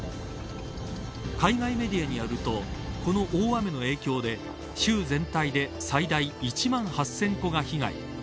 海外メディアによるとこの大雨の影響で州全体で最大１万８０００戸が被害。